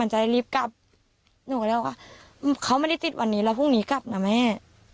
จะรีบกลับหนูก็เลยว่าเขาไม่ได้ติดวันนี้แล้วพรุ่งนี้กลับนะแม่